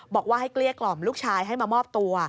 บอกว่าให้เกลี้ยกล่อมลูกชายให้มามอบตัว